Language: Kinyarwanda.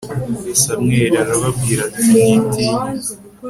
samweli arababwira ati mwitinya